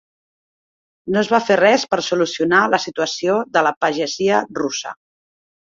No es va fer res per solucionar la situació de la pagesia russa.